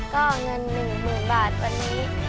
ก็เงินหนึ่งหมื่นบาทวันนี้